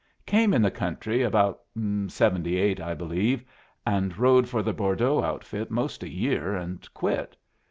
"Came in the country about seventy eight, I believe, and rode for the Bordeaux Outfit most a year, and quit.